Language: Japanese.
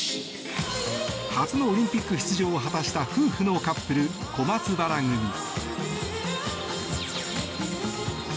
初のオリンピック出場を果たした夫婦のカップル、小松原組。